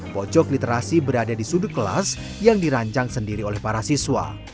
pojok literasi berada di sudut kelas yang dirancang sendiri oleh para siswa